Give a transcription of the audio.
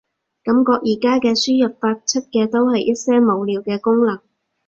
感覺而家嘅輸入法，出嘅都係一些無聊嘅功能